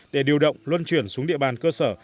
để điều động luân chuyển xuống địa bàn cơ sở